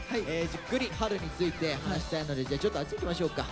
じっくり「春」について話したいのでじゃあちょっとあっち行きましょうか。